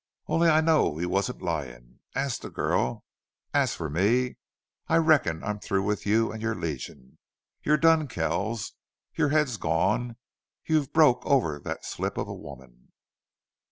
Only I know he wasn't lyin'.... Ask the girl!... An' as for me, I reckon I'm through with you an' your Legion. You're done, Kells your head's gone you've broke over thet slip of a woman!"